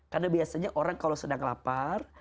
karena biasanya orang kalau sedang lapar